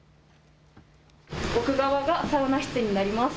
奥側が、サウナ室になります。